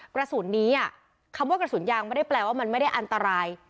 กระสุนนี้คำว่ากระสุนยางไม่ได้แปลว่ามันไม่ได้อันตราย